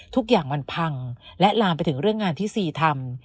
ทุกอย่างมันพังและลามไปถึงเรื่องงานที่ซีทำ